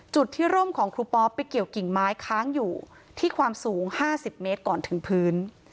จุดที่ร่มของครูปอปไปเกี่ยวกิ่งไม้ค้างอยู่ที่ความสูง๕๐เมตรก่อนถึงพื้น